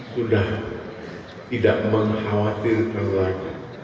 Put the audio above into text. sudah tidak mengkhawatirkan lagi